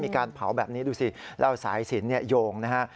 มีการเผาแบบนี้ดูสิแล้วสายศิลป์เนี่ยโยงนะฮะ